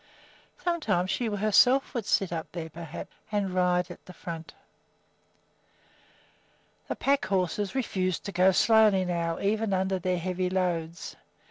Sometime she herself would sit up there, perhaps, and ride at the front. The pack horses refused to go slowly now, even under their heavy loads.